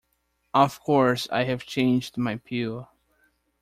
Of course I have changed my pew.